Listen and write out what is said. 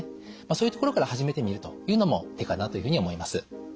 そういうところから始めてみるというのも手かなというふうに思います。